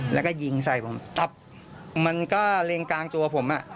แล้วก็ยิงใส่ผมตับมันก็เล็งกลางตัวผมอ่ะ